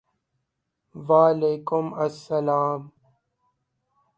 وعلیکم السلام ！